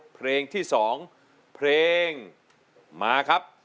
เพลงที่๒เพลงมาครับ